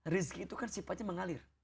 rizki itu kan sifatnya mengalir